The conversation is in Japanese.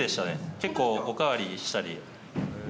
結構、おかわりしたり。